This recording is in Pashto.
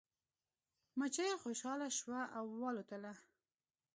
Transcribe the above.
مچۍ خوشحاله شوه او والوتله.